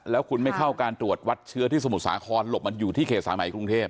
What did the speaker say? แล้วคุณไม่เข้าการตรวจวัดเชื้อที่สมุทรสาครหลบมันอยู่ที่เขตสายใหม่กรุงเทพ